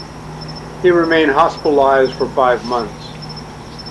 He remained hospitalised for five months.